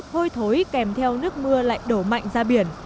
hôi thối kèm theo nước mưa lại đổ mạnh ra biển